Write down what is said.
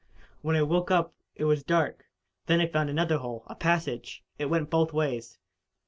"When I woke up it was dark. Then I found another hole a passage. It went both ways.